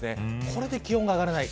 これで気温が上がらない。